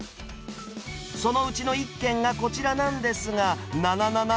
そのうちの１軒がこちらなんですがなななな